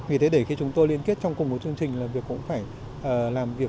vì thế để khi chúng tôi liên kết trong cùng một chương trình làm việc cũng phải làm việc